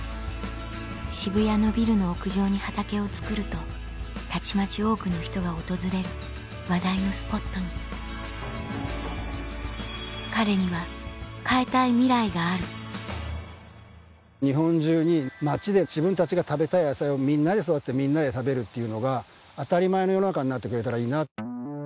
渋谷のビルの屋上に畑を作るとたちまち多くの人が訪れる話題のスポットに彼には変えたいミライがある日本中に街で自分たちが食べたい野菜をみんなで育ててみんなで食べるっていうのが当たり前の世の中になってくれたらいいな。